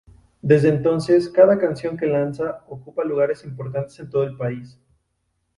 Desde entonces cada canción que lanza ocupa lugares importantes en todo el país.